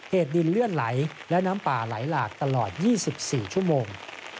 ดินเลื่อนไหลและน้ำป่าไหลหลากตลอด๒๔ชั่วโมง